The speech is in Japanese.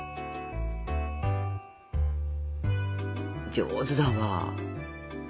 上手だわ！